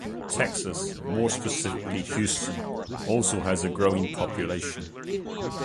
Texas, more specifically Houston, also has a growing population.